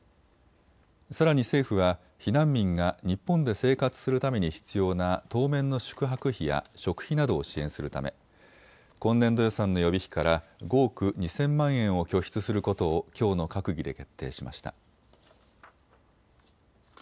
さらに政府は、避難民が日本で生活するために必要な当面の宿泊費や食費などを支援するため今年度予算の予備費から５億２０００万円を拠出することをきょうの閣議で決定しました。